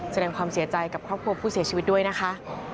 แสดงความเสียใจกับครอบครัวผู้เสียชีวิตด้วยนะคะ